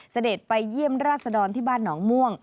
เสด็จไปเยี่ยมราชดรที่บ้านหนองม่วง